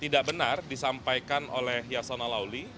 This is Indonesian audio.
tidak benar disampaikan oleh yasona lawli